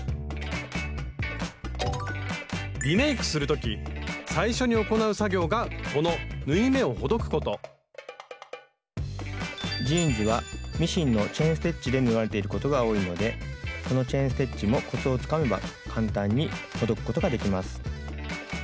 リメイクする時最初に行う作業がこの縫い目をほどくことジーンズはミシンのチェーン・ステッチで縫われていることが多いのでこのチェーン・ステッチもコツをつかめば簡単にほどくことができます。